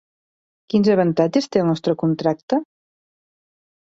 Quins avantatges té el nostre contracte?